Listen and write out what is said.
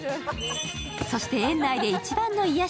そして園内で一番の癒やし